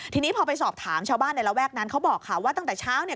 ทีนี้พอไปสอบถามชาวบ้านในระแวกนั้นเขาบอกค่ะว่าตั้งแต่เช้าเนี่ย